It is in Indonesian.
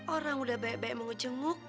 orang udah banyak banyak mengejenguk